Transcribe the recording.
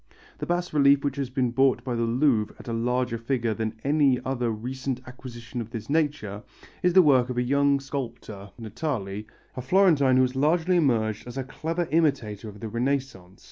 The bas relief which has been bought by the Louvre at a larger figure than any other recent acquisition of this nature, is the work of a young sculptor, Natali, a Florentine who has lately emerged as a clever imitator of the Renaissance.